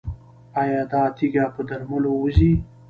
ایا دا تیږه په درملو وځي؟